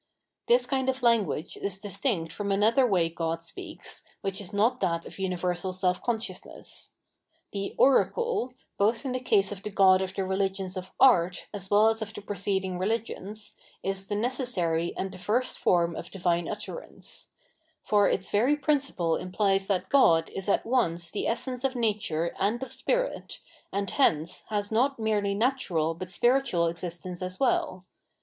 This kind of language is distinct from another way God speaks, which is not that of umversal self consciousness. The Oracle, both in the case of the god of the religions of art as weU as of the pre (^ding religions, is the necessary and the first form of divine utterance For its very principle implies that God is at once the essence of nature and of spirit, and hence has not merely natural but spiritual existence as well.